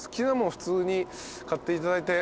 普通に買っていただいて。